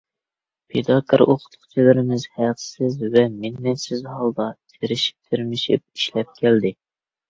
پىداكار ئوقۇتقۇچىلىرىمىز ھەقسىز ۋە مىننەتسىز ھالدا، تىرىشىپ-تىرمىشىپ ئىشلەپ كەلدى.